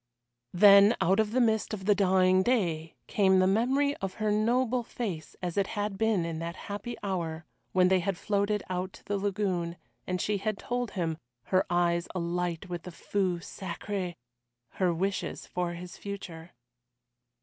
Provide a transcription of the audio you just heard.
Then out of the mist of the dying day came the memory of her noble face as it had been in that happy hour when they had floated out to the lagoon, and she had told him her eyes alight with the feu sacré her wishes for his future.